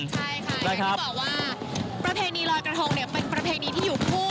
ใช่ค่ะอย่างที่บอกว่าประเพณีลอยกระทงเนี่ยเป็นประเพณีที่อยู่คู่